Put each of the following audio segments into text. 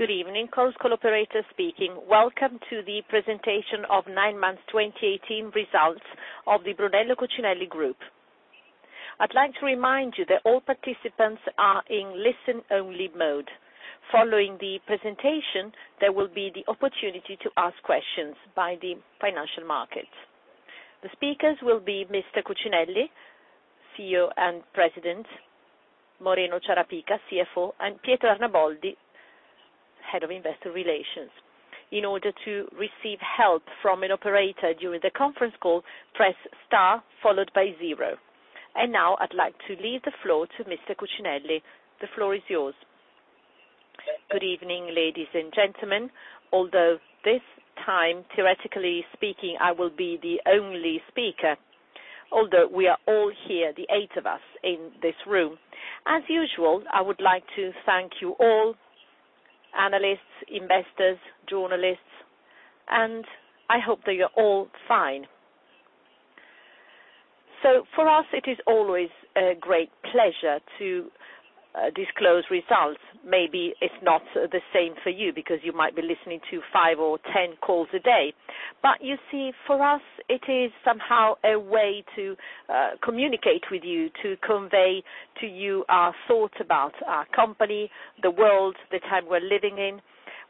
Good evening. Call operator speaking. Welcome to the presentation of 9 months 2018 results of the Brunello Cucinelli Group. I'd like to remind you that all participants are in listen-only mode. Following the presentation, there will be the opportunity to ask questions by the financial markets. The speakers will be Mr. Cucinelli, CEO and President, Moreno Ciarapica, CFO, and Pietro Arnaboldi, Head of Investor Relations. In order to receive help from an operator during the conference call, press star followed by zero. Now I'd like to leave the floor to Mr. Cucinelli. The floor is yours. Good evening, ladies and gentlemen. Although this time, theoretically speaking, I will be the only speaker, although we are all here, the 8 of us in this room. As usual, I would like to thank you all, analysts, investors, journalists, and I hope that you're all fine. For us, it is always a great pleasure to disclose results. Maybe it's not the same for you because you might be listening to 5 or 10 calls a day. You see, for us, it is somehow a way to communicate with you, to convey to you our thoughts about our company, the world, the time we're living in.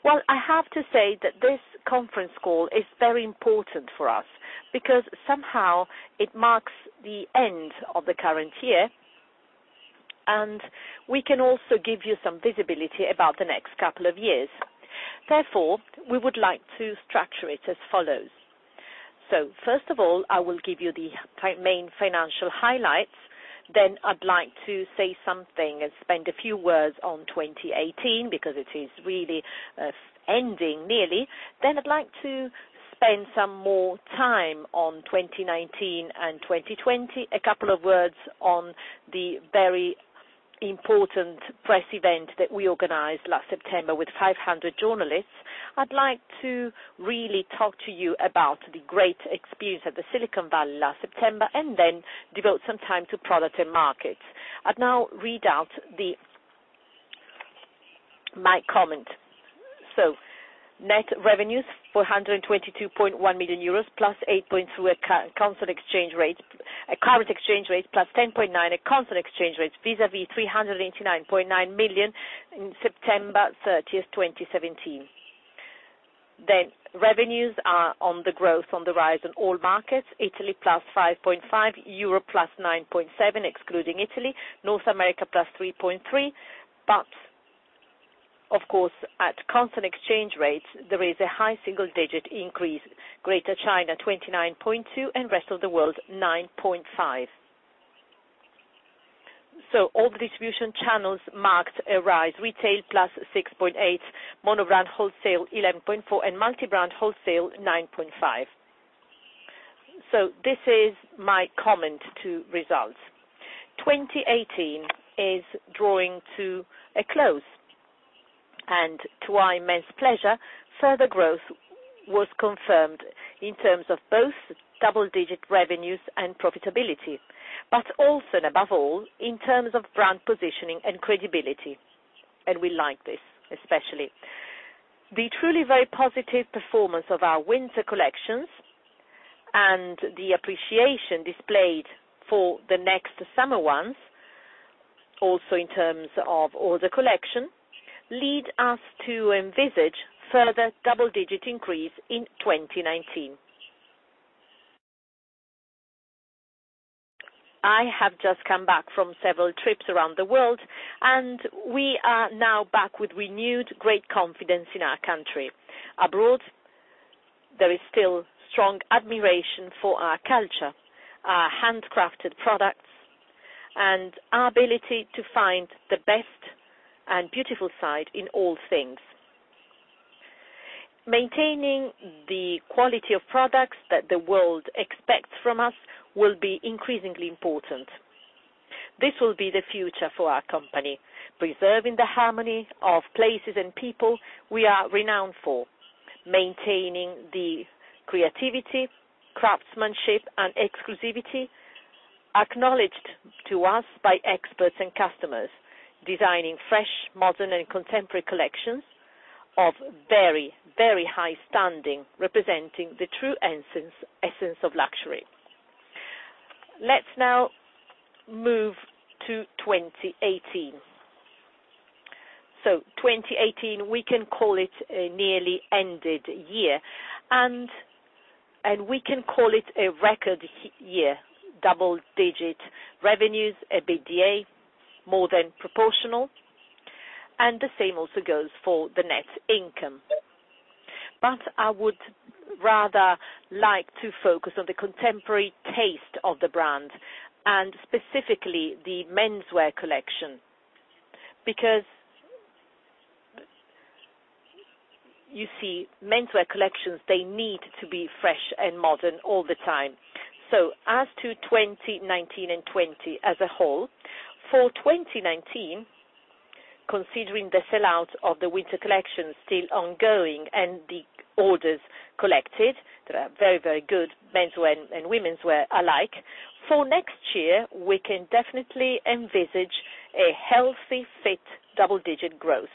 I have to say that this conference call is very important for us because somehow it marks the end of the current year, and we can also give you some visibility about the next couple of years. Therefore, we would like to structure it as follows. First of all, I will give you the main financial highlights. I'd like to say something and spend a few words on 2018 because it is really ending, nearly. I'd like to spend some more time on 2019 and 2020. A couple of words on the very important press event that we organized last September with 500 journalists. I'd like to really talk to you about the great experience at Silicon Valley last September, and then devote some time to product and markets. I'd now read out my comment. Net revenues, 422.1 million euros, plus 8.2% at current exchange rates, plus 10.9% at constant exchange rates, vis-à-vis 389.9 million in September 30th, 2017. Revenues are on the growth, on the rise in all markets, Italy plus 5.5%, Europe plus 9.7%, excluding Italy, North America plus 3.3%. Of course, at constant exchange rates, there is a high single-digit increase. Greater China, 29.2%, and rest of the world, 9.5%. All the distribution channels marked a rise. Retail, plus 6.8%, monobrand wholesale, 11.4%, and multibrand wholesale, 9.5%. This is my comment to results. 2018 is drawing to a close, and to our immense pleasure, further growth was confirmed in terms of both double-digit revenues and profitability, but also and above all, in terms of brand positioning and credibility. We like this, especially. The truly very positive performance of our winter collections and the appreciation displayed for the next summer ones, also in terms of order collection, lead us to envisage further double-digit increase in 2019. I have just come back from several trips around the world, and we are now back with renewed great confidence in our country. Abroad, there is still strong admiration for our culture, our handcrafted products, and our ability to find the best and beautiful side in all things. Maintaining the quality of products that the world expects from us will be increasingly important. This will be the future for our company, preserving the harmony of places and people we are renowned for, maintaining the creativity, craftsmanship, and exclusivity acknowledged to us by experts and customers, designing fresh, modern, and contemporary collections of very high standing, representing the true essence of luxury. Let's now move to 2018. 2018, we can call it a nearly ended year, and we can call it a record year. Double-digit revenues, EBITDA, more than proportional, and the same also goes for the net income. I would rather like to focus on the contemporary taste of the brand and specifically the menswear collection. You see, menswear collections, they need to be fresh and modern all the time. As to 2019 and 2020 as a whole, for 2019, considering the sellout of the winter collection still ongoing and the orders collected that are very, very good menswear and womenswear alike. For next year, we can definitely envisage a healthy, fit, double-digit growth.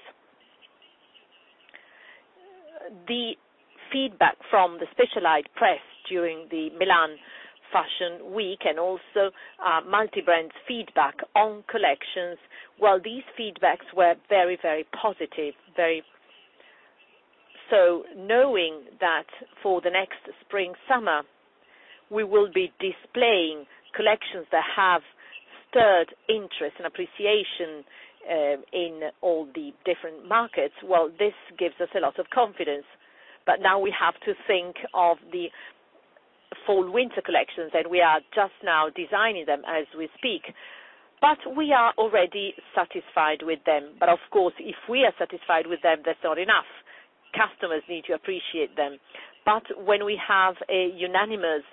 The feedback from the specialized press during the Milan Fashion Week and also multibrand feedback on collections, while these feedbacks were very, very positive. Knowing that for the next spring, summer, we will be displaying collections that have stirred interest and appreciation in all the different markets, well, this gives us a lot of confidence. Now we have to think of the fall-winter collections, and we are just now designing them as we speak. We are already satisfied with them. Of course, if we are satisfied with them, that's not enough. Customers need to appreciate them. When we have a unanimous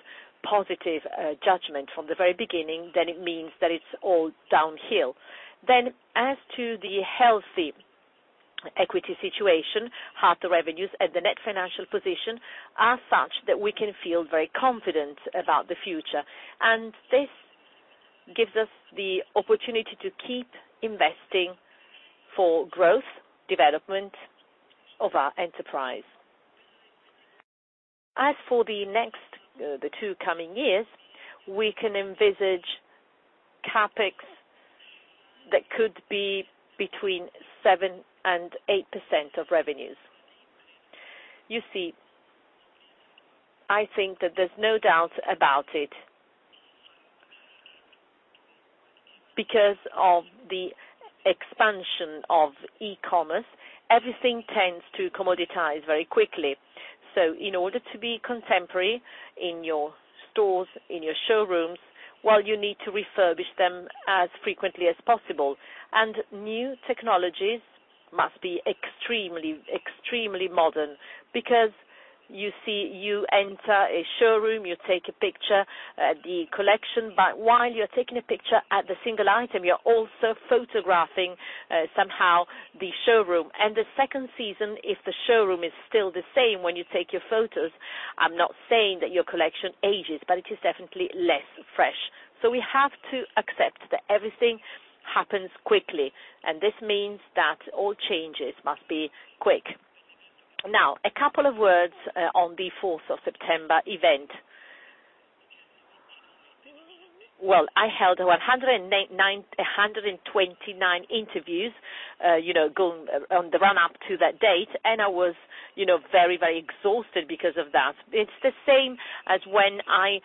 positive judgment from the very beginning, it means that it's all downhill. As to the healthy equity situation, half the revenues and the net financial position are such that we can feel very confident about the future. This gives us the opportunity to keep investing for growth, development of our enterprise. As for the next, the two coming years, we can envisage CapEx that could be between 7%-8% of revenues. You see, I think that there's no doubt about it. Because of the expansion of e-commerce, everything tends to commoditize very quickly. In order to be contemporary in your stores, in your showrooms, well, you need to refurbish them as frequently as possible. New technologies must be extremely modern because you see, you enter a showroom, you take a picture at the collection, while you're taking a picture at the single item, you're also photographing somehow the showroom. The second season, if the showroom is still the same when you take your photos, I'm not saying that your collection ages, it is definitely less fresh. We have to accept that everything happens quickly, and this means that all changes must be quick. Now, a couple of words on the 4th of September event. Well, I held 129 interviews on the run-up to that date, and I was very exhausted because of that. It's the same as when I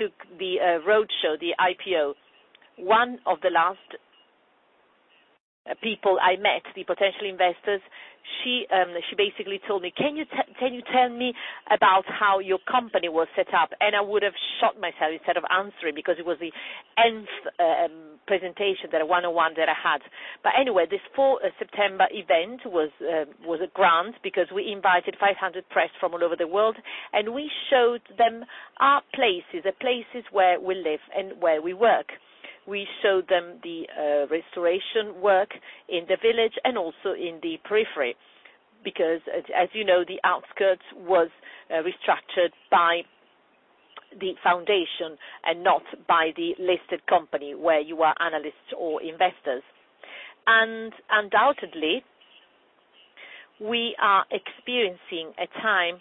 took the roadshow, the IPO. One of the last people I met, the potential investors, she basically told me, "Can you tell me about how your company was set up?" I would've shot myself instead of answering, because it was the nth presentation, the 101 that I had. Anyway, this 4th September event was grand because we invited 500 press from all over the world, and we showed them our places, the places where we live and where we work. We showed them the restoration work in the village and also in the periphery, because, as you know, the outskirts was restructured by the foundation and not by the listed company where you are analysts or investors. Undoubtedly, we are experiencing a time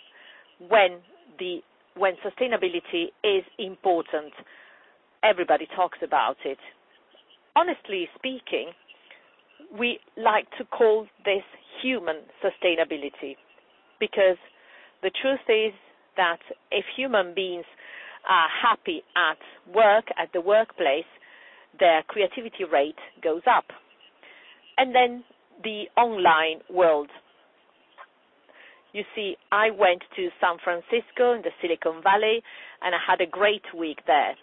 when sustainability is important. Everybody talks about it. Honestly speaking, we like to call this human sustainability, because the truth is that if human beings are happy at work, at the workplace, their creativity rate goes up. The online world. You see, I went to San Francisco in the Silicon Valley, I had a great week there.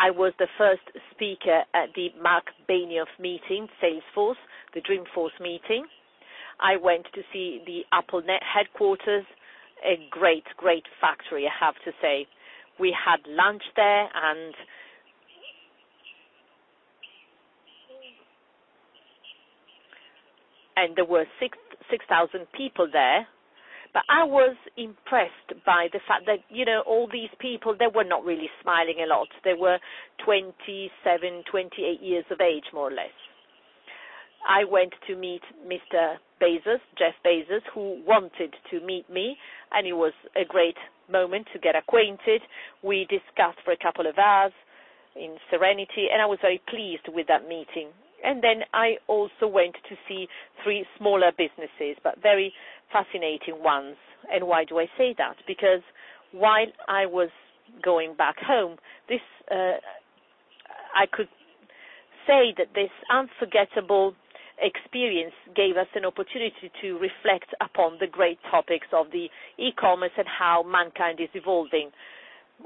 I was the first speaker at the Marc Benioff meeting, Salesforce, the Dreamforce meeting. I went to see the Apple Park headquarters, a great factory, I have to say. We had lunch there, and there were 6,000 people there. I was impressed by the fact that all these people, they were not really smiling a lot. They were 27, 28 years of age, more or less. I went to meet Mr. Bezos, Jeff Bezos, who wanted to meet me, and it was a great moment to get acquainted. We discussed for a couple of hours in serenity, and I was very pleased with that meeting. I also went to see three smaller businesses, but very fascinating ones. Why do I say that? Because while I was going back home, I could say that this unforgettable experience gave us an opportunity to reflect upon the great topics of the e-commerce and how mankind is evolving.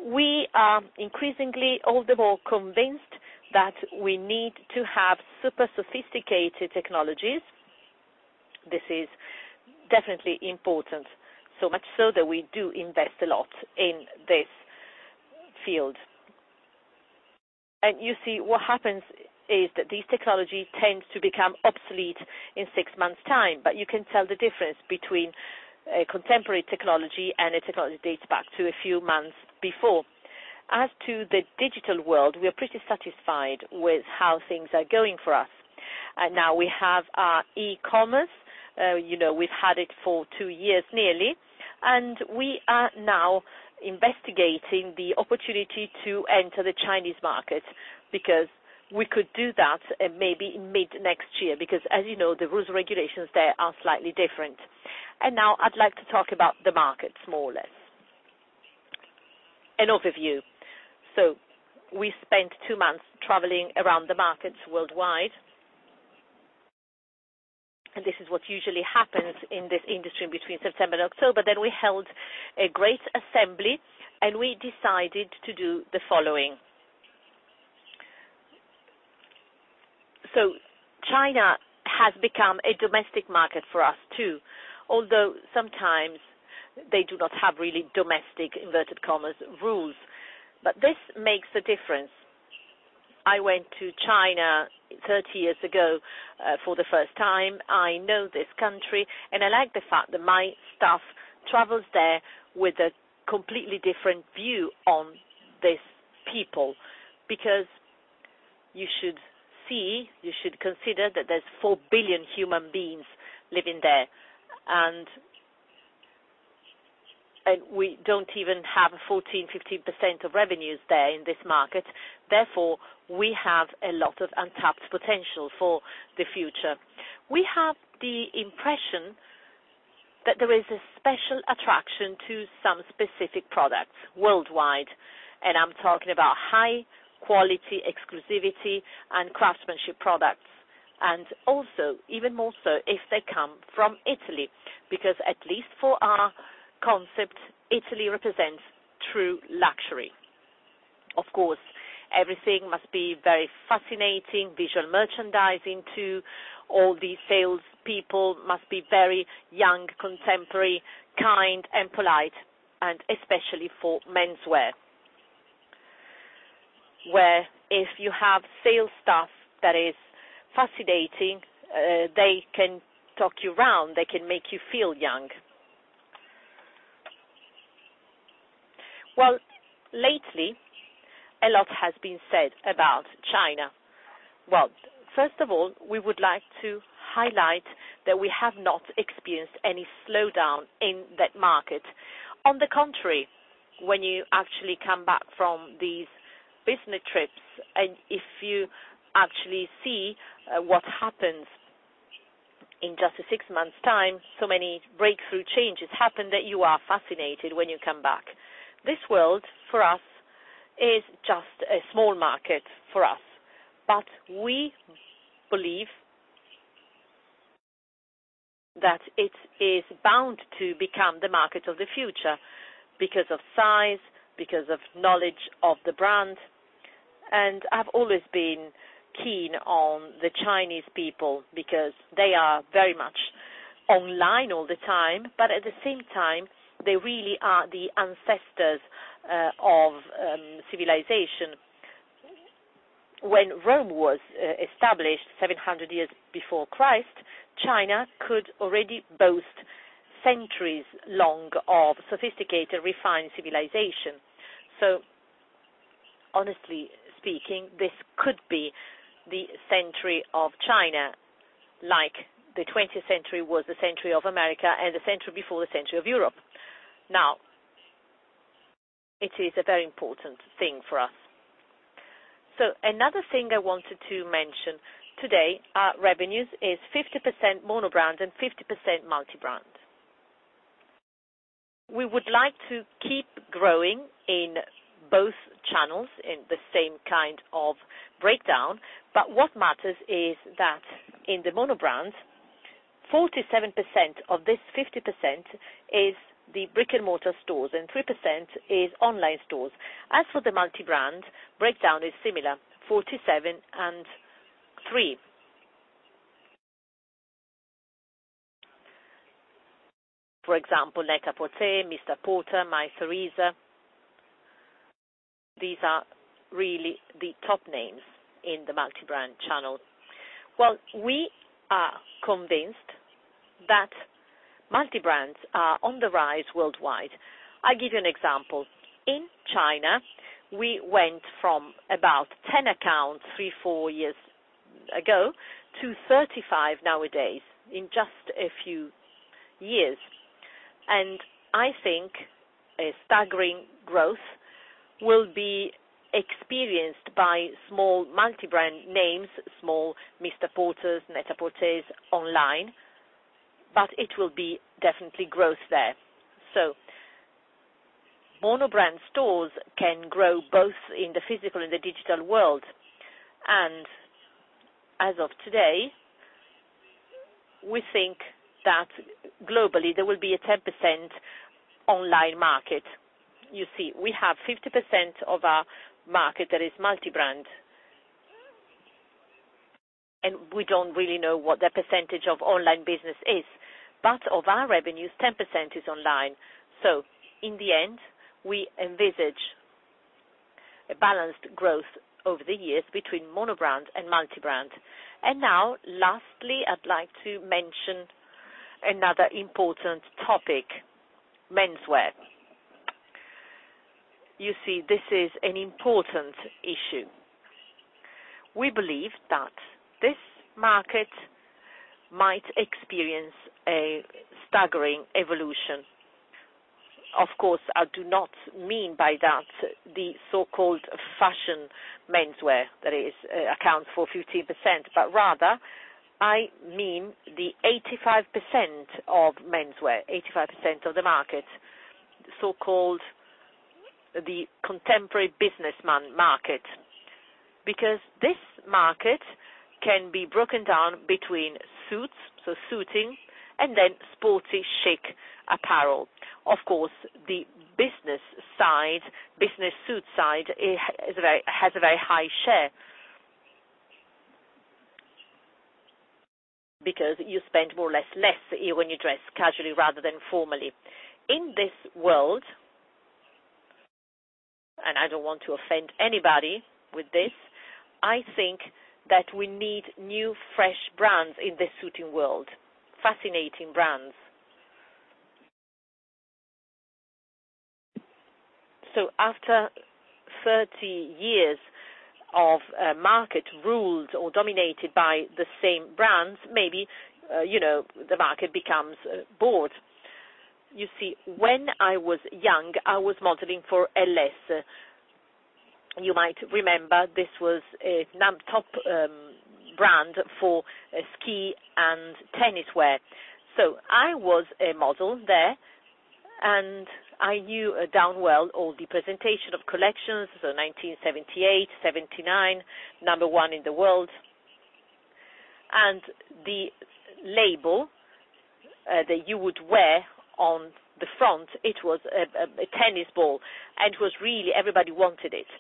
We are increasingly all the more convinced that we need to have super sophisticated technologies. This is definitely important, so much so that we do invest a lot in this field. You see what happens is that these technologies tend to become obsolete in six months' time, but you can tell the difference between a contemporary technology and a technology that dates back to a few months before. As to the digital world, we are pretty satisfied with how things are going for us. Now we have our e-commerce. We've had it for two years, nearly. We are now investigating the opportunity to enter the Chinese market, because we could do that and maybe mid next year, because as you know, the rules and regulations there are slightly different. Now I'd like to talk about the markets more or less. An overview. We spent two months traveling around the markets worldwide, and this is what usually happens in this industry between September and October. We held a great assembly, and we decided to do the following. China has become a domestic market for us, too, although sometimes they do not have really domestic, inverted commas, rules. This makes a difference. I went to China 30 years ago for the first time. I know this country, I like the fact that my staff travels there with a completely different view on these people, because you should see, you should consider that there's 4 billion human beings living there. We don't even have 14%-15% of revenues there in this market. Therefore, we have a lot of untapped potential for the future. We have the impression that there is a special attraction to some specific products worldwide, and I'm talking about high quality, exclusivity, and craftsmanship products, and also, even more so, if they come from Italy, because at least for our concept, Italy represents true luxury. Of course, everything must be very fascinating, visual merchandising too. All the salespeople must be very young, contemporary, kind and polite. Especially for menswear, where if you have sales staff that is fascinating, they can talk you around, they can make you feel young. Lately, a lot has been said about China. First of all, we would like to highlight that we have not experienced any slowdown in that market. On the contrary, when you actually come back from these business trips, if you actually see what happens in just a 6 months' time, so many breakthrough changes happen that you are fascinated when you come back. This world, for us, is just a small market for us, but we believe that it is bound to become the market of the future because of size, because of knowledge of the brand. I've always been keen on the Chinese people because they are very much online all the time, but at the same time, they really are the ancestors of civilization. When Rome was established 700 years before Christ, China could already boast centuries long of sophisticated, refined civilization. Honestly speaking, this could be the century of China, like the 20th century was the century of America and the century before, the century of Europe. It is a very important thing for us. Another thing I wanted to mention today, our revenues is 50% monobrand and 50% multibrand. We would like to keep growing in both channels in the same kind of breakdown. What matters is that in the monobrand, 47% of this 50% is the brick-and-mortar stores, and 3% is online stores. As for the multibrand, breakdown is similar, 47% and 3%. For example, Net-a-Porter, Mr Porter, Mytheresa, these are really the top names in the multibrand channel. We are convinced that multibrands are on the rise worldwide. I give you an example. In China, we went from about 10 accounts three, four years ago to 35 nowadays in just a few years. I think a staggering growth will be experienced by small multibrand names, small Mr Porters, Net-a-Porters online, but it will be definitely growth there. Monobrand stores can grow both in the physical and the digital world. As of today, we think that globally, there will be a 10% online market. You see, we have 50% of our market that is multibrand. We don't really know what their percentage of online business is. But of our revenues, 10% is online. In the end, we envisage a balanced growth over the years between monobrand and multibrand. Now lastly, I'd like to mention another important topic, menswear. You see, this is an important issue. We believe that this market might experience a staggering evolution. Of course, I do not mean by that the so-called fashion menswear, that accounts for 15%, but rather, I mean the 85% of menswear, 85% of the market, so-called the contemporary businessman market. This market can be broken down between suits, so suiting, and then sporty chic apparel. Of course, the business side, business suit side, has a very high share. You spend more or less, less when you dress casually rather than formally. In this world, I don't want to offend anybody with this, I think that we need new, fresh brands in the suiting world, fascinating brands. After 30 years of market ruled or dominated by the same brands, maybe the market becomes bored. You see, when I was young, I was modeling for Ellesse. You might remember, this was a top brand for ski and tennis wear. I was a model there, and I knew darn well all the presentation of collections. 1978, 1979, number one in the world. The label that you would wear on the front, it was a tennis ball, and it was really, everybody wanted it.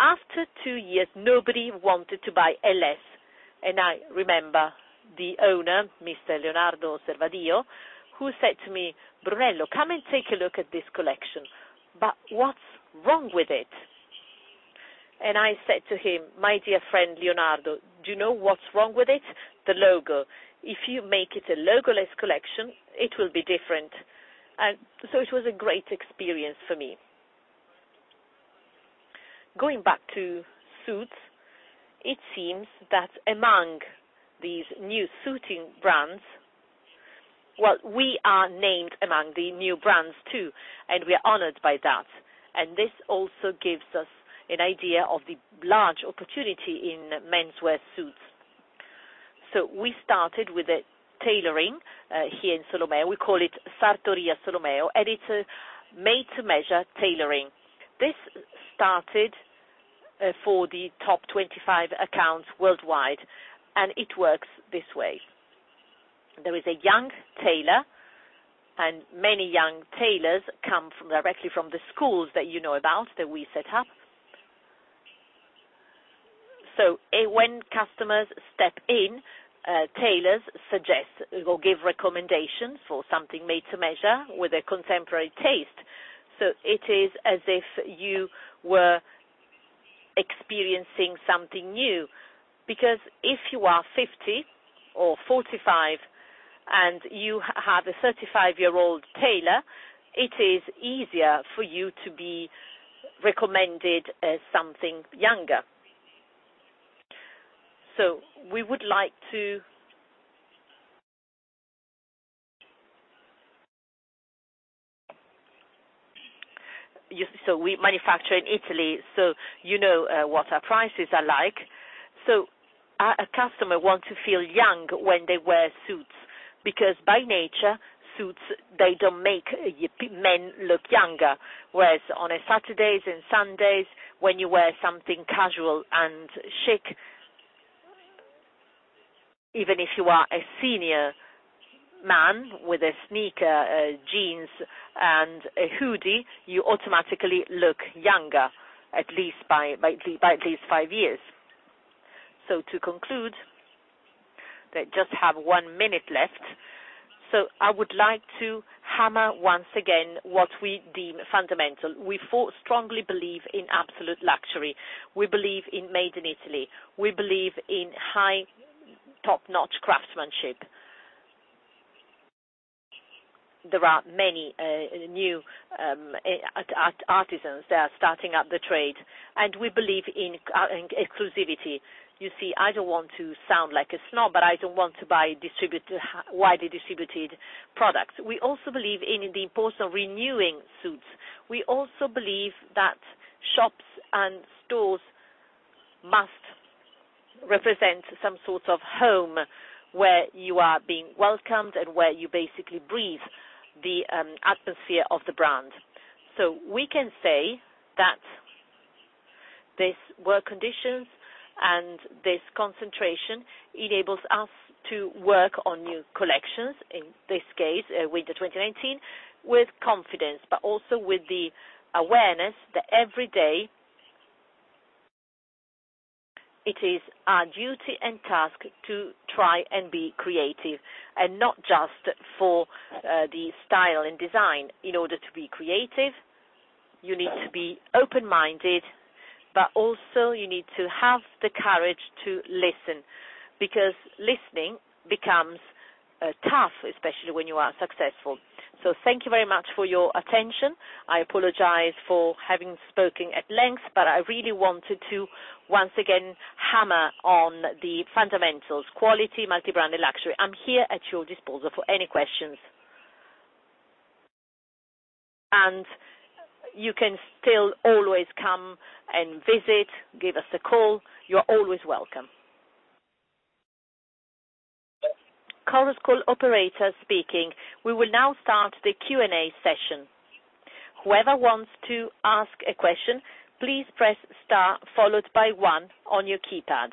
After 2 years, nobody wanted to buy Ellesse. I remember the owner, Mr. Leonardo Servadio, who said to me, "Brunello, come and take a look at this collection. What's wrong with it?" I said to him, "My dear friend, Leonardo, do you know what's wrong with it? The logo. If you make it a logoless collection, it will be different." It was a great experience for me. Going back to suits, it seems that among these new suiting brands, we are named among the new brands too, and we are honored by that. This also gives us an idea of the large opportunity in menswear suits. We started with a tailoring, here in Solomeo. We call it Sartoria Solomeo, and it's a made-to-measure tailoring. This started for the top 25 accounts worldwide, and it works this way. There is a young tailor, and many young tailors come directly from the schools that you know about, that we set up. When customers step in, tailors suggest or give recommendations for something made-to-measure with a contemporary taste. It is as if you were experiencing something new, because if you are 50 or 45 and you have a 35-year-old tailor, it is easier for you to be recommended something younger. We manufacture in Italy, so you know what our prices are like. A customer wants to feel young when they wear suits, because by nature, suits, they don't make men look younger. Whereas on Saturdays and Sundays, when you wear something casual and chic, even if you are a senior man with a sneaker, jeans, and a hoodie, you automatically look younger, at least by at least 5 years. To conclude, I just have 1 minute left. I would like to hammer once again what we deem fundamental. We strongly believe in absolute luxury. We believe in made in Italy. We believe in high, top-notch craftsmanship. There are many new artisans that are starting up the trade, and we believe in exclusivity. You see, I don't want to sound like a snob, but I don't want to buy widely distributed products. We also believe in the importance of renewing suits. We also believe that shops and stores must represent some sort of home where you are being welcomed and where you basically breathe the atmosphere of the brand. We can say that these work conditions and this concentration enables us to work on new collections, in this case, Winter 2019, with confidence, but also with the awareness that every day it is our duty and task to try and be creative, and not just for the style and design. In order to be creative, you need to be open-minded, but also you need to have the courage to listen, because listening becomes tough, especially when you are successful. Thank you very much for your attention. I apologize for having spoken at length, but I really wanted to, once again, hammer on the fundamentals, quality, multibrand, and luxury. I'm here at your disposal for any questions. You can still always come and visit, give us a call. You're always welcome. Conference call operator speaking. We will now start the Q&A session. Whoever wants to ask a question, please press star followed by 1 on your keypad.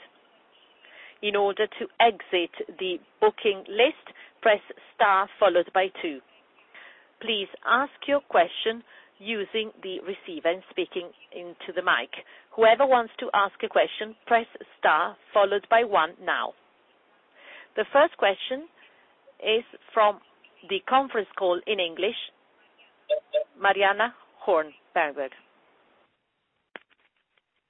In order to exit the booking list, press star followed by 2. Please ask your question using the receiver and speaking into the mic. Whoever wants to ask a question, press star followed by 1 now. The first question is from the conference call in English. Mariana Horn, Berenberg.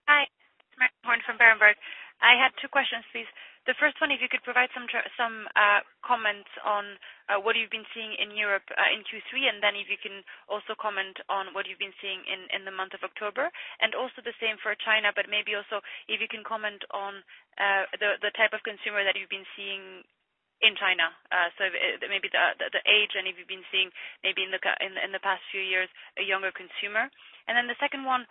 Hi. It's Mariana Horn from Berenberg. I had two questions, please. The first one, if you could provide some comments on what you've been seeing in Europe in Q3, and then if you can also comment on what you've been seeing in the month of October. Also the same for China, but maybe also if you can comment on the type of consumer that you've been seeing in China. So maybe the age, and if you've been seeing, maybe in the past few years, a younger consumer. Then the second one,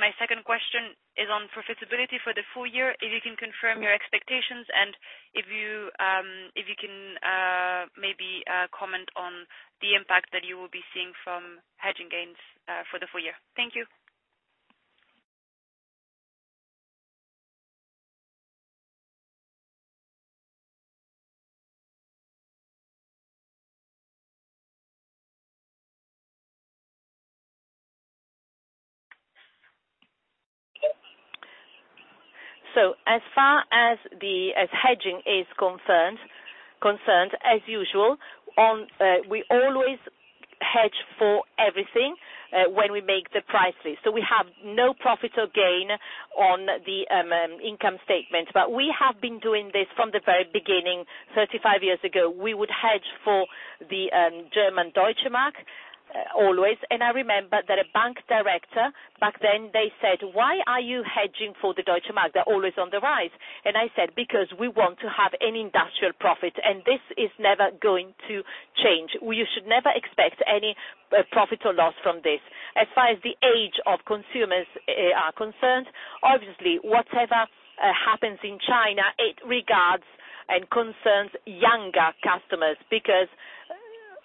my second question is on profitability for the full year, if you can confirm your expectations and if you can maybe comment on the impact that you will be seeing from hedging gains for the full year. Thank you. As far as hedging is concerned, as usual, we always hedge for everything when we make the price list. We have no profit or gain on the income statement. But we have been doing this from the very beginning, 35 years ago. We would hedge for the German Deutsche Mark, always. I remember that a bank director back then, they said, "Why are you hedging for the Deutsche Mark? They're always on the rise." I said, "Because we want to have an industrial profit, and this is never going to change." You should never expect any profit or loss from this. As far as the age of consumers are concerned, obviously, whatever happens in China, it regards and concerns younger customers because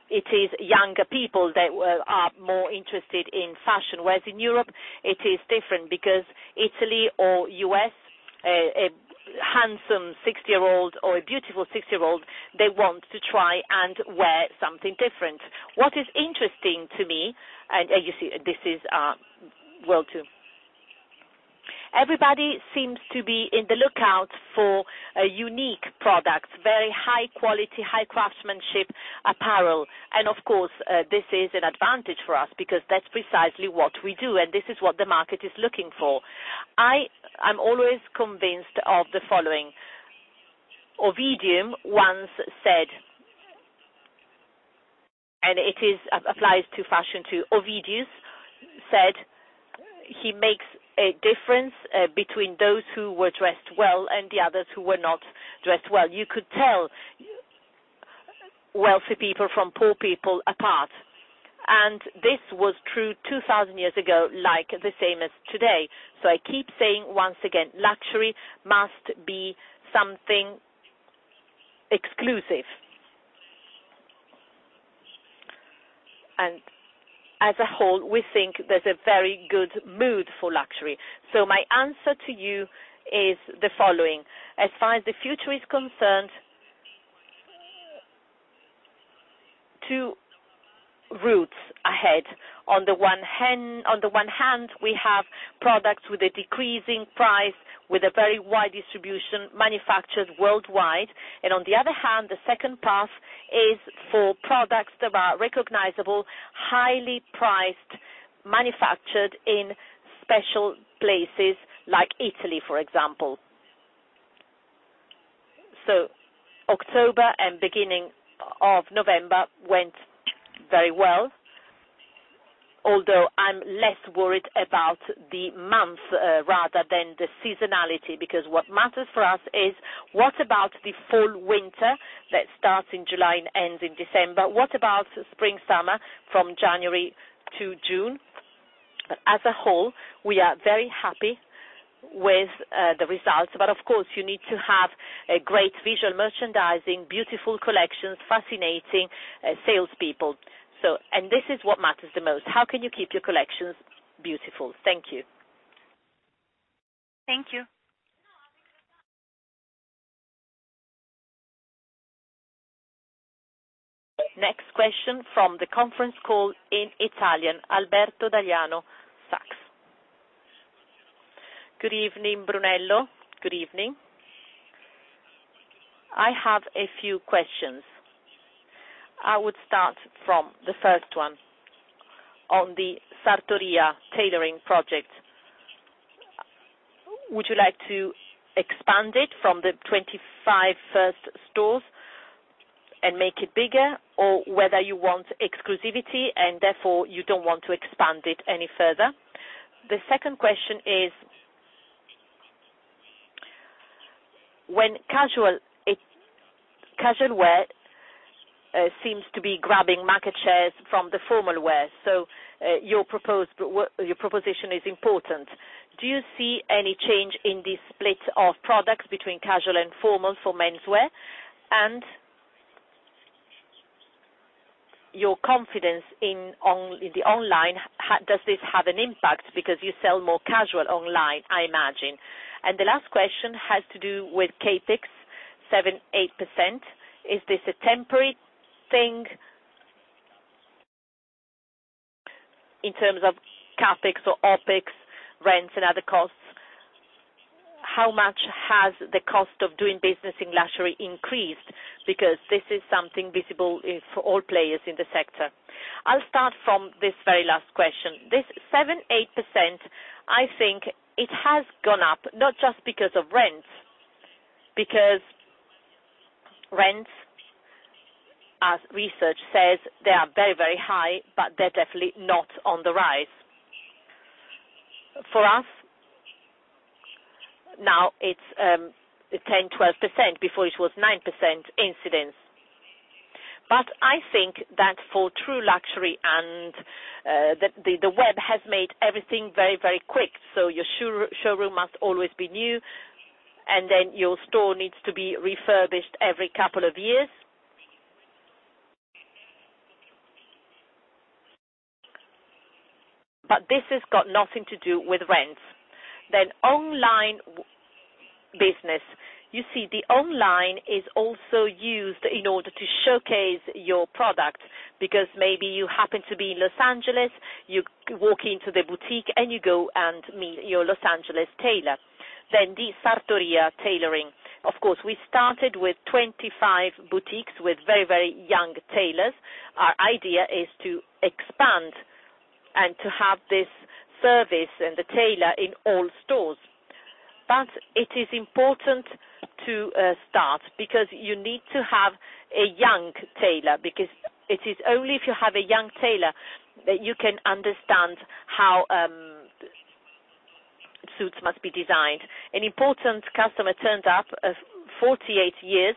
it is younger people that are more interested in fashion. Whereas in Europe, it is different because Italy or U.S., a handsome 60-year-old or a beautiful 60-year-old, they want to try and wear something different. What is interesting to me, and you see this as well, too. Everybody seems to be in the lookout for unique products, very high quality, high craftsmanship apparel. Of course, this is an advantage for us because that's precisely what we do, and this is what the market is looking for. I am always convinced of the following. Ovid once said, and it applies to fashion, too. Ovidius said he makes a difference between those who were dressed well and the others who were not dressed well. You could tell wealthy people from poor people apart. This was true 2,000 years ago, like the same as today. I keep saying once again, luxury must be something exclusive. As a whole, we think there's a very good mood for luxury. My answer to you is the following. As far as the future is concerned, two routes ahead. On the one hand, we have products with a decreasing price, with a very wide distribution, manufactured worldwide. On the other hand, the second path is for products that are recognizable, highly priced, manufactured in special places like Italy, for example. October and beginning of November went very well. Although I'm less worried about the month rather than the seasonality, because what matters for us is, what about the full winter that starts in July and ends in December? What about spring, summer from January to June? As a whole, we are very happy with the results. Of course, you need to have a great visual merchandising, beautiful collections, fascinating salespeople. This is what matters the most. How can you keep your collections beautiful? Thank you. Thank you. Next question from the conference call in Italian, Alberto Dagliano, Saxo. Good evening, Brunello. Good evening. I have a few questions. I would start from the first one on the sartoria tailoring project. Would you like to expand it from the 25 first stores and make it bigger? Or whether you want exclusivity and therefore you don't want to expand it any further? The second question is, when casual wear seems to be grabbing market shares from the formal wear, so your proposition is important. Do you see any change in the split of products between casual and formal for menswear? Your confidence in the online, does this have an impact? Because you sell more casual online, I imagine. The last question has to do with CapEx 78%. Is this a temporary thing in terms of CapEx or OpEx, rents, and other costs? How much has the cost of doing business in luxury increased? Because this is something visible for all players in the sector. I'll start from this very last question. This 78%, I think it has gone up, not just because of rents, because rents, as research says, they are very high, but they're definitely not on the rise. For us, now it's 10%-12%. Before it was 9% incidence. I think that for true luxury and the web has made everything very quick, so your showroom must always be new, and then your store needs to be refurbished every couple of years. This has got nothing to do with rents. Online business. You see, the online is also used in order to showcase your product, because maybe you happen to be in Los Angeles, you walk into the boutique, and you go and meet your Los Angeles tailor. The sartoria tailoring. Of course, we started with 25 boutiques with very young tailors. Our idea is to expand and to have this service and the tailor in all stores. It is important to start, because you need to have a young tailor, because it is only if you have a young tailor that you can understand how suits must be designed. An important customer turned up, 48 years,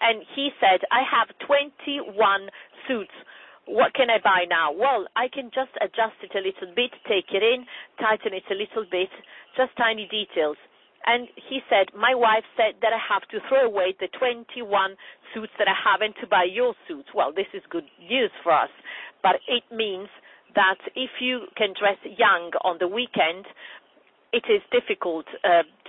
and he said, "I have 21 suits. What can I buy now?" Well, I can just adjust it a little bit, take it in, tighten it a little bit, just tiny details. He said, "My wife said that I have to throw away the 21 suits that I have and to buy your suits." Well, this is good news for us, it means that if you can dress young on the weekend, it is difficult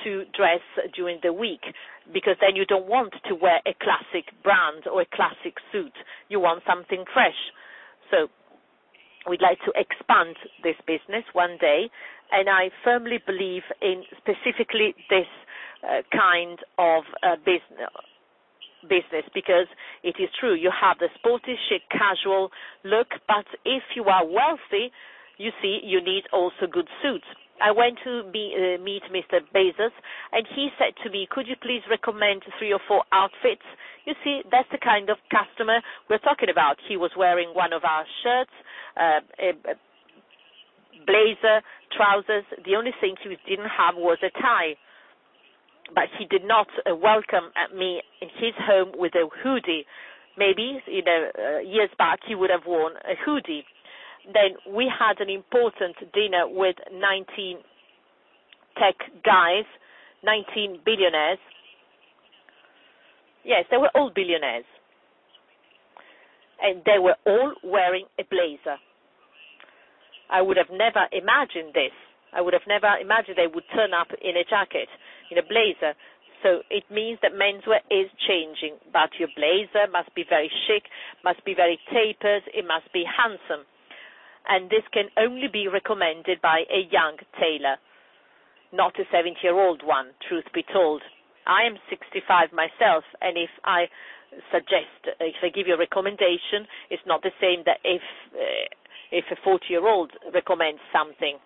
to dress during the week, because then you don't want to wear a classic brand or a classic suit. You want something fresh. We'd like to expand this business one day, and I firmly believe in specifically this kind of business, because it is true, you have the sporty chic casual look, but if you are wealthy, you see, you need also good suits. I went to meet Mr. Bezos, and he said to me, "Could you please recommend three or four outfits?" You see, that's the kind of customer we're talking about. He was wearing one of our shirts, a blazer, trousers. He did not welcome me in his home with a hoodie. Maybe years back, he would have worn a hoodie. We had an important dinner with 19 tech guys, 19 billionaires. Yes, they were all billionaires. They were all wearing a blazer. I would have never imagined this. I would have never imagined they would turn up in a jacket, in a blazer. It means that menswear is changing, but your blazer must be very chic, must be very tapered, it must be handsome. This can only be recommended by a young tailor, not a 70-year-old one, truth be told. I am 65 myself, and if I give you a recommendation, it's not the same that if a 40-year-old recommends something.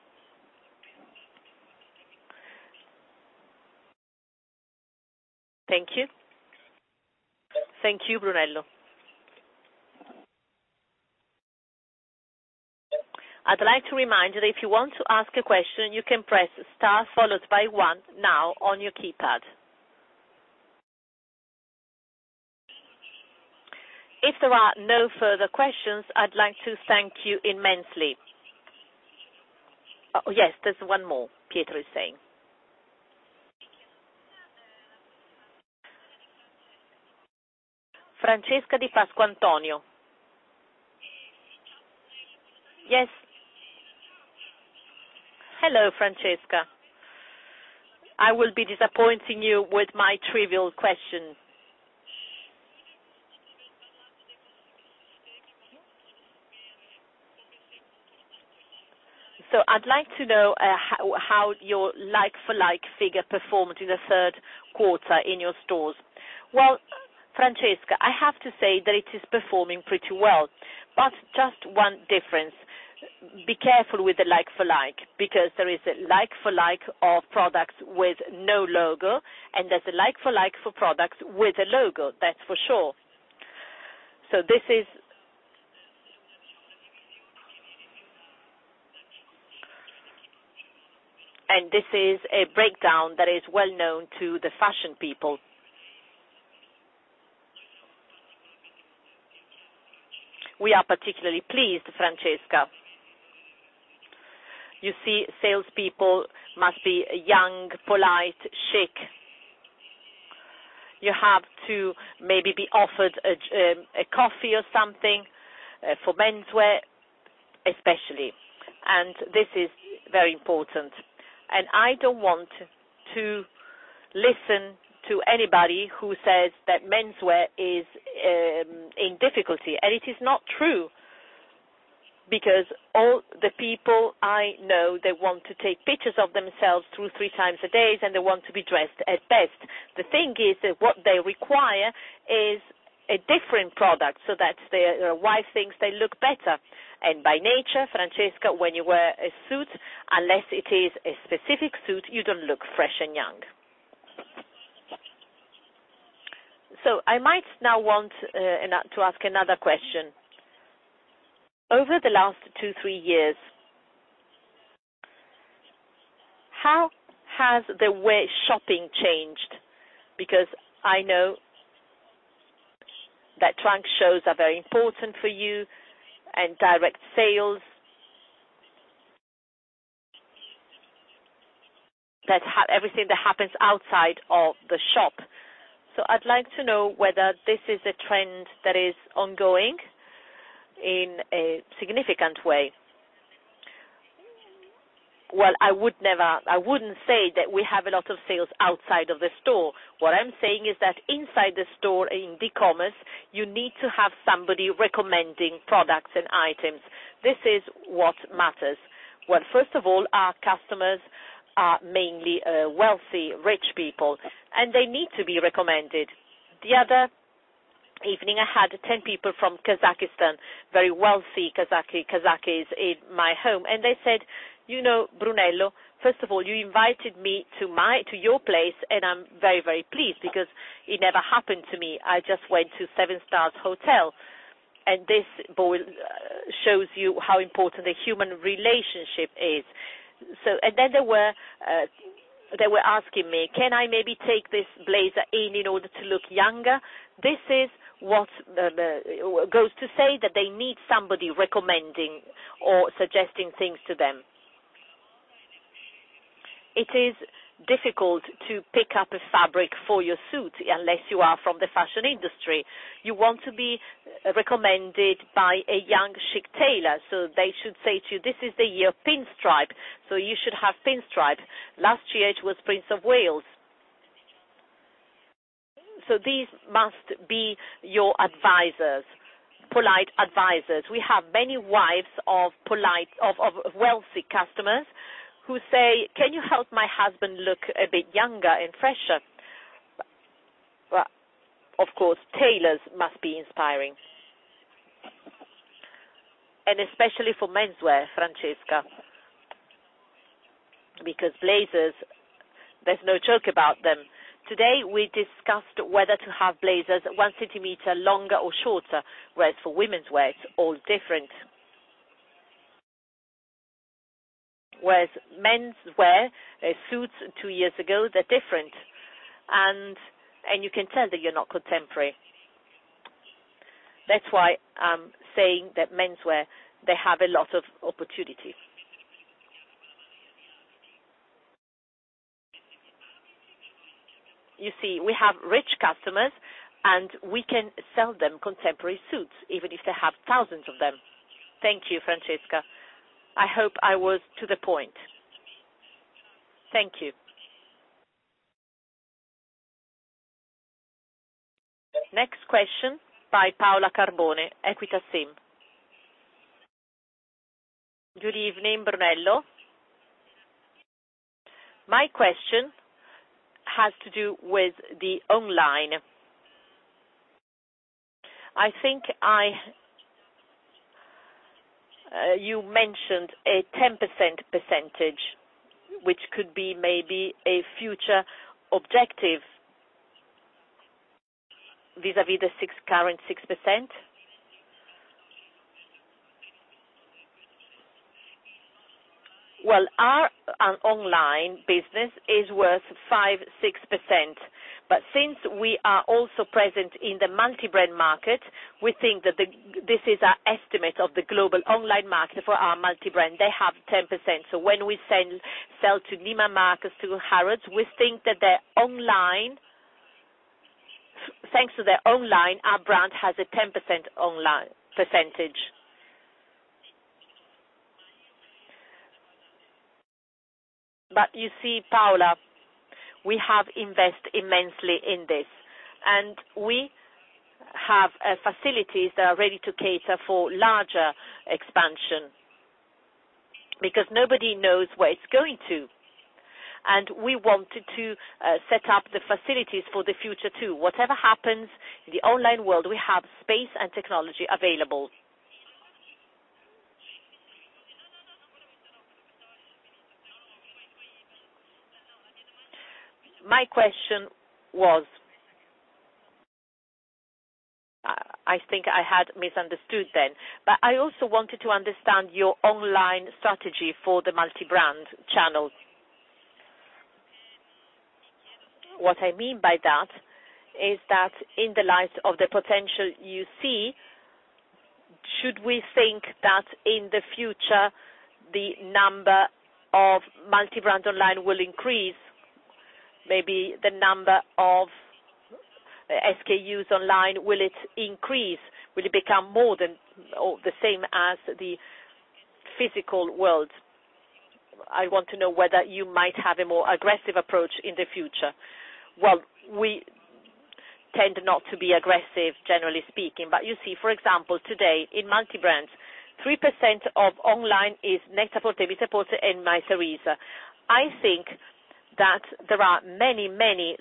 Thank you. Thank you, Brunello. I'd like to remind you that if you want to ask a question, you can press star followed by 1 now on your keypad. If there are no further questions, I'd like to thank you immensely. Yes, there's one more, Pietro is saying. Francesca Di Pasquantonio. Hello, Francesca. I will be disappointing you with my trivial question. I'd like to know how your like-for-like figure performed in the third quarter in your stores. Well, Francesca, I have to say that it is performing pretty well, but just one difference. Be careful with the like-for-like, because there is a like-for-like of products with no logo, and there's a like-for-like for products with a logo, that's for sure. This is a breakdown that is well-known to the fashion people. We are particularly pleased, Francesca. You see, salespeople must be young, polite, chic. You have to maybe be offered a coffee or something, for menswear, especially. This is very important. I don't want to listen to anybody who says that menswear is in difficulty, and it is not true, because all the people I know, they want to take pictures of themselves two, three times a day, and they want to be dressed at best. The thing is that what they require is a different product, so that their wife thinks they look better. By nature, Francesca, when you wear a suit, unless it is a specific suit, you don't look fresh and young. I might now want to ask another question. Over the last two, three years, how has the way shopping changed? Because I know that trunk shows are very important for you and direct sales. That everything that happens outside of the shop. I'd like to know whether this is a trend that is ongoing in a significant way. Well, I wouldn't say that we have a lot of sales outside of the store. What I'm saying is that inside the store, in e-commerce, you need to have somebody recommending products and items. This is what matters. Well, first of all, our customers are mainly wealthy, rich people, and they need to be recommended. The other evening, I had 10 people from Kazakhstan, very wealthy Kazakhs, in my home, and they said, "You know, Brunello, first of all, you invited me to your place, and I'm very, very pleased because it never happened to me. I just went to Seven Stars Hotel," and this shows you how important the human relationship is. They were asking me, "Can I maybe take this blazer in in order to look younger?" This goes to say that they need somebody recommending or suggesting things to them. It is difficult to pick up a fabric for your suit unless you are from the fashion industry. You want to be recommended by a young, chic tailor. They should say to you, "This is the year of pinstripe, so you should have pinstripe. Last year, it was Prince of Wales." These must be your advisors, polite advisors. We have many wives of wealthy customers who say, "Can you help my husband look a bit younger and fresher?" Of course, tailors must be inspiring. Especially for menswear, Francesca. Blazers, there is no joke about them. Today, we discussed whether to have blazers one centimeter longer or shorter, whereas for womenswear, it is all different. Menswear, suits two years ago, they are different. You can tell that you are not contemporary. That is why I am saying that menswear, they have a lot of opportunity. We have rich customers, and we can sell them contemporary suits, even if they have thousands of them. Thank you, Francesca. I hope I was to the point. Thank you. Next question by Paola Carboni, Equita SIM. Good evening, Brunello. My question has to do with the online. I think you mentioned a 10% percentage, which could be maybe a future objective vis-à-vis the current 6%? Our online business is worth 5%-6%. Since we are also present in the multibrand market, we think that this is our estimate of the global online market for our multibrand. They have 10%. When we sell to Neiman Marcus, to Harrods, we think that thanks to their online, our brand has a 10% online percentage. Paola, we have invested immensely in this, and we have facilities that are ready to cater for larger expansion, because nobody knows where it is going to. We wanted to set up the facilities for the future too. Whatever happens in the online world, we have space and technology available. My question was, I think I had misunderstood then. I also wanted to understand your online strategy for the multibrand channels. What I mean by that is that in the light of the potential you see, should we think that in the future, the number of multibrand online will increase? Maybe the number of SKUs online will it increase? Will it become more than or the same as the physical world? I want to know whether you might have a more aggressive approach in the future. We tend not to be aggressive, generally speaking. For example, today in multibrands, 3% of online is Net-a-Porter, Mytheresa. I think that there are many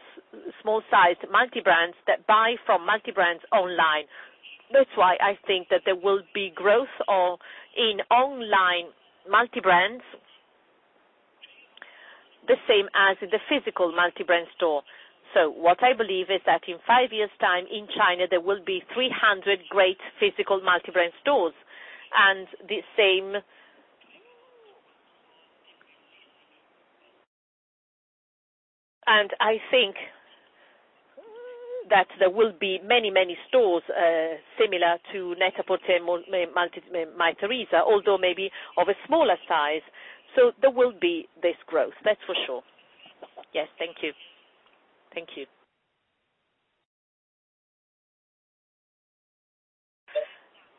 small-sized multibrands that buy from multibrands online. That is why I think that there will be growth in online multibrands, the same as in the physical multibrand store. What I believe is that in five years' time, in China, there will be 300 great physical multibrand stores. I think that there will be many stores, similar to Net-a-Porter, Mytheresa, although maybe of a smaller size. There will be this growth, that is for sure. Yes. Thank you. Thank you.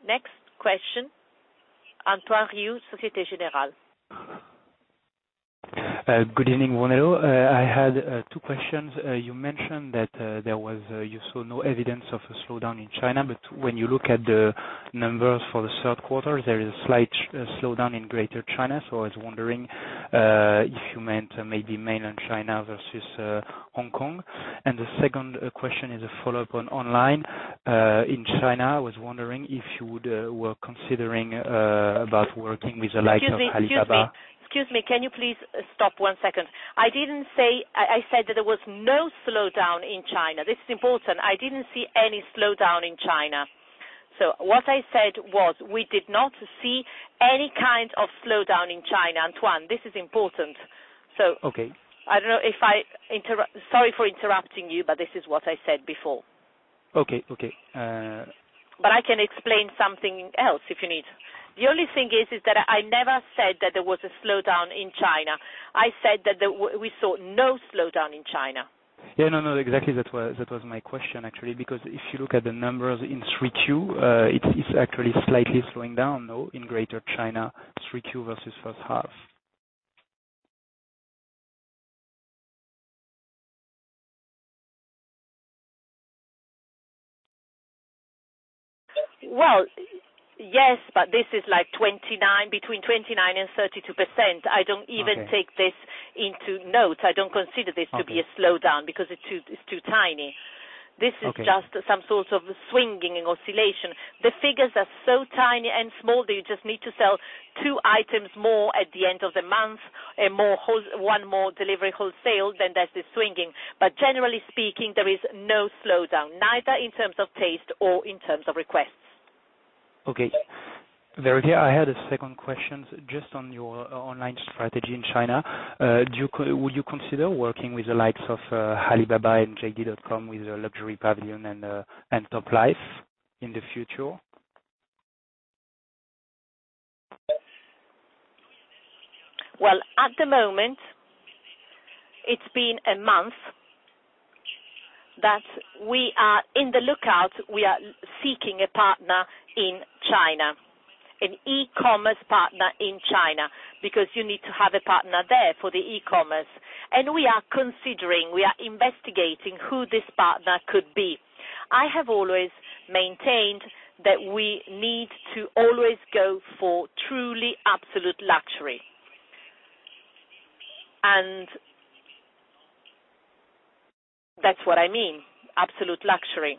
Next question, Antoine Riou, Societe Generale. Good evening, Brunello. I had two questions. You mentioned that you saw no evidence of a slowdown in China. When you look at the numbers for the third quarter, there is a slight slowdown in Greater China. I was wondering if you meant maybe mainland China versus Hong Kong. The second question is a follow-up on online in China. I was wondering if you were considering about working with the likes of Alibaba- Excuse me. Can you please stop one second? I said that there was no slowdown in China. This is important. I did not see any slowdown in China. What I said was, we did not see any kind of slowdown in China, Antoine. This is important. Okay. Sorry for interrupting you, this is what I said before. Okay. I can explain something else if you need. The only thing is that I never said that there was a slowdown in China. I said that we saw no slowdown in China. Yeah, no, exactly. That was my question, actually, because if you look at the numbers in Q3, it is actually slightly slowing down, no, in Greater China, Q3 versus first half. Well, yes, this is between 29% and 32%. I do not even take this into note. I do not consider this to be a slowdown because it is too tiny. Okay. This is just some sort of swinging and oscillation. The figures are so tiny and small. They just need to sell two items more at the end of the month, one more delivery wholesale, then that is swinging. Generally speaking, there is no slowdown, neither in terms of taste or in terms of requests. Okay. I had a second question just on your online strategy in China. Would you consider working with the likes of Alibaba and JD.com with the Luxury Pavilion and Toplife in the future? Well, at the moment, it's been a month that we are in the lookout. We are seeking a partner in China, an e-commerce partner in China, because you need to have a partner there for the e-commerce. We are considering, we are investigating who this partner could be. I have always maintained that we need to always go for truly absolute luxury. That's what I mean, absolute luxury.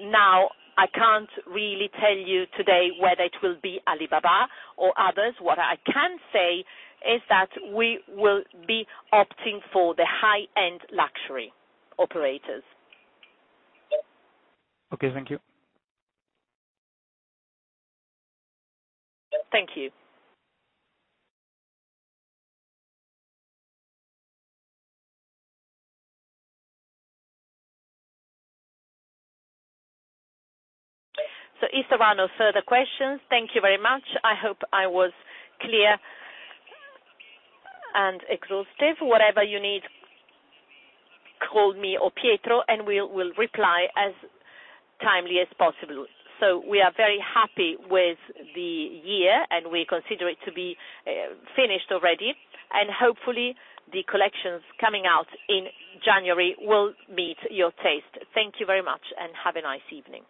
Now, I can't really tell you today whether it will be Alibaba or others. What I can say is that we will be opting for the high-end luxury operators. Okay. Thank you. Thank you. If there are no further questions, thank you very much. I hope I was clear and exhaustive. Whatever you need, call me or Pietro, and we will reply as timely as possible. We are very happy with the year, and we consider it to be finished already. Hopefully, the collections coming out in January will meet your taste. Thank you very much, and have a nice evening.